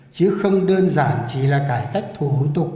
chứ không đơn giản chỉ là cải cách thủ tục